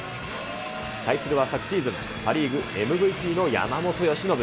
対するは昨シーズン、パ・リーグＭＶＰの山本由伸。